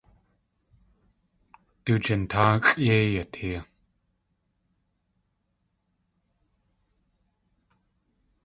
Du jintáaxʼ yéi yatee.